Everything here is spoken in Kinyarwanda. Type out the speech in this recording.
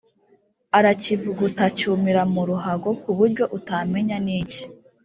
arakivuguta cyumira muruhago kuburyo utamenya niki,